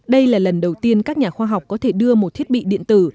đây là lần đầu tiên các nhà khoa học có thể đưa một thiết bị điện tử